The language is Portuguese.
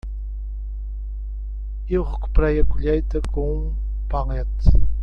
Eu recuperei a colheita com um palete.